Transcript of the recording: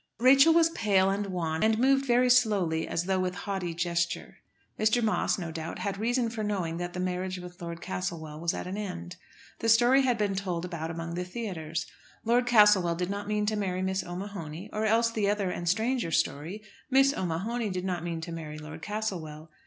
Rachel was pale and wan, and moved very slowly as though with haughty gesture. Mr. Moss, no doubt, had reason for knowing that the marriage with Lord Castlewell was at an end. The story had been told about among the theatres. Lord Castlewell did not mean to marry Miss O'Mahony; or else the other and stranger story, Miss O'Mahony did not mean to marry Lord Castlewell.